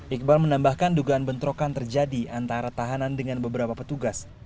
iqbal menambahkan dugaan bentrokan terjadi antara tahanan dengan beberapa petugas